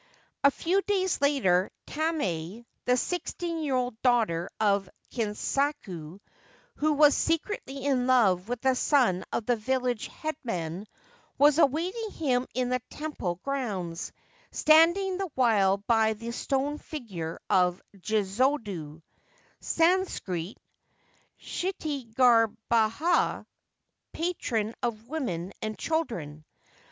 A few days later Tamae, the sixteen year old daughter of Kinsaku, who was secretly in love with the son of the village Headman, was awaiting him in the temple grounds, standing the while by the stone figure of Jizodo (Sanskrit, Kshitigarbha, Patron of Women and Children).